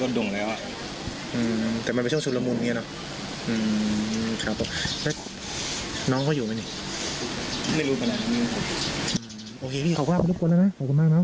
โอเคพี่ขอบคุณทุกคนแล้วนะขอบคุณมากนะ